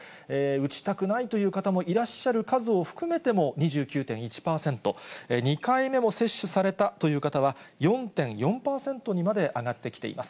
打ちたくないという方もいらっしゃる数を含めても、２９．１％、２回目も接種されたという方は、４．４％にまで上がってきています。